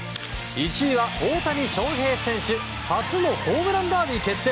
１位は、大谷翔平選手初のホームランダービー決定。